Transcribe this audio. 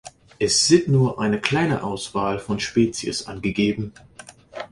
Es sit nur eine kleine Auswahl von Spezies angegeben.